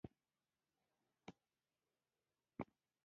د مالیاتو د ټولولو تنظیم اوس هم شتون نه لري.